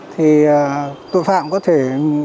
thì tội phạm có thể